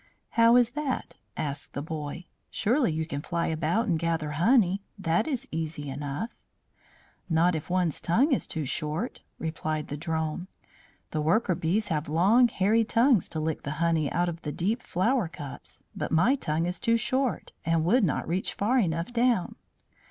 "How is that?" asked the boy. "Surely you can fly about and gather honey? That is easy enough." "Not if one's tongue is too short," replied the Drone. "The Worker Bees have long, hairy tongues to lick the honey out of the deep flower cups, but my tongue is too short, and would not reach far enough down."